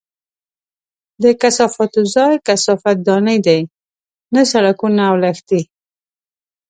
د کثافاتو ځای کثافت دانۍ دي، نه سړکونه او لښتي!